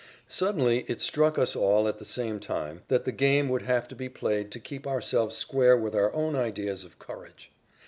Suddenly it struck us all at the same time that the game would have to be played to keep ourselves square with our own ideas of courage.